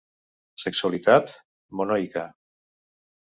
Sexualitat: monoica.